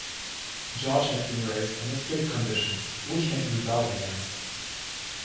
George had been raised under strict conditions, which he had rebelled against.